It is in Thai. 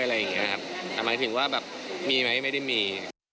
อะไรอย่างเงี้ยครับแต่หมายถึงว่าแบบมีไหมไม่ได้มี